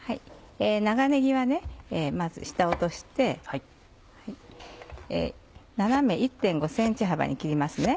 長ねぎはまず下落として斜め１．５ｃｍ幅に切りますね。